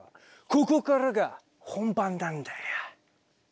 ここからが本番なんだよ。